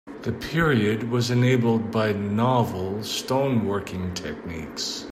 The period was enabled by novel stone working techniques.